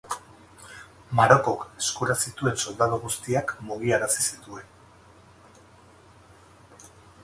Marokok eskura zituen soldadu guztiak mugiarazi zituen